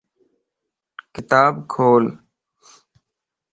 ڪتاب کول